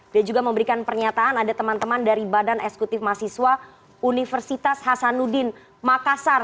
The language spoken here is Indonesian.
dia juga memberikan pernyataan ada teman teman dari badan eksekutif mahasiswa universitas hasanuddin makassar